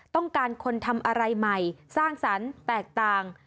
ต้องการคนทำอะไรใหม่สร้างสรรค์แตกต่าง